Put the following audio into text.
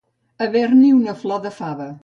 Haver-n'hi una flor de fava.